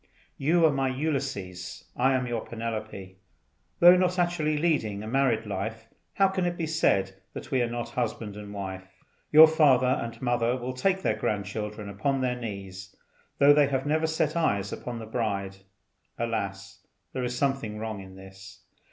You are my Ulysses, I am your Penelope; though not actually leading a married life, how can it be said that we are not husband and wife. Your father and mother will take their grandchildren upon their knees, though they have never set eyes upon the bride. Alas! there is something wrong in this.